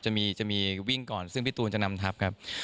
จะมีวิ่งก่อนซึ่งพี่ตูนจะนำทับครับ